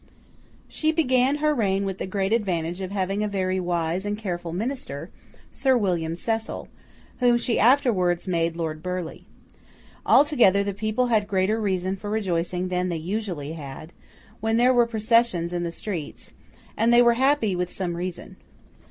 She began her reign with the great advantage of having a very wise and careful Minister, Sir William Cecil, whom she afterwards made Lord Burleigh. Altogether, the people had greater reason for rejoicing than they usually had, when there were processions in the streets; and they were happy with some reason.